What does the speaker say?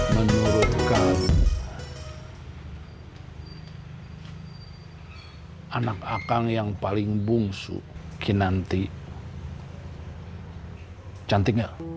menurut kamu anak akal yang paling bungsu kinanti cantik gak